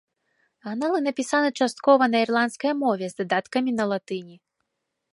Аналы напісаны часткова на ірландскай мове з дадаткамі на латыні.